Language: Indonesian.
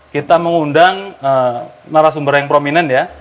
kita mengundang narasumber yang prominent ya